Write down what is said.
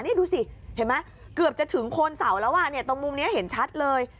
นี่ดูสิเห็นไหมเกือบจะถึงโคนเสาแล้วอ่ะเนี่ยตรงมุมนี้เห็นชัดเลย